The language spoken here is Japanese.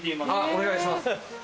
お願いします。